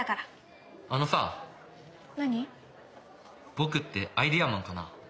僕ってアイデアマンかな？